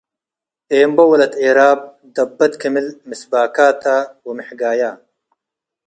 ኤምቦ ወለት ኤራብ ደበት ክምል ምስባካተ ወምሕጋየ